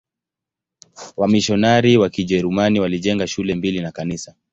Wamisionari wa Kijerumani walijenga shule mbili na kanisa.